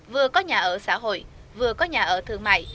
vừa có nhà ở xã hội vừa có nhà ở thương mại